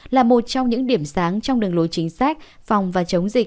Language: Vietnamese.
là một trong những điểm sáng trong đường lối chính sách phòng và chống dịch